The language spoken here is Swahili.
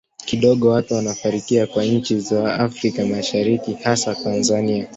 kidogo watu wanafikiria kwa nchi za afrika mashariki hasa tanzania